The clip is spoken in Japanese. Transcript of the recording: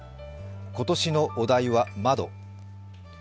今年のお題は「窓」。